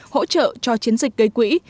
hỗ trợ cho chiến dịch gây quỹ